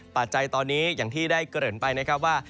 ปัจจัยตอนนี้อย่างที่ได้เกริ่นไปนะครับว่า